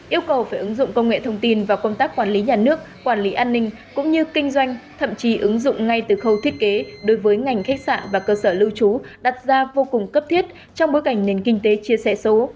yêu cầu phải ứng dụng công nghệ thông tin và công tác quản lý nhà nước quản lý an ninh cũng như kinh doanh thậm chí ứng dụng ngay từ khâu thiết kế đối với ngành khách sạn và cơ sở lưu trú đặt ra vô cùng cấp thiết trong bối cảnh nền kinh tế chia sẻ số